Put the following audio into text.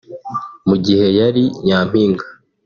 Mu gihe yari nyampinga